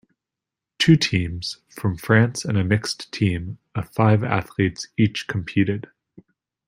Two teams, from France and a Mixed Team, of five athletes each competed.